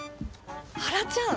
はらちゃん